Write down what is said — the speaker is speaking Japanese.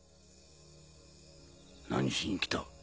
・何しに来た？